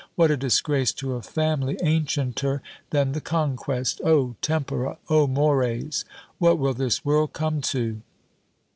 What a disgrace to a family ancienter than the Conquest! O Tempora! O Mores! What will this world come to?"